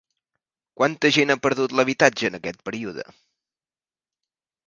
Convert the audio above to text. Quanta gent ha perdut l'habitatge en aquest període?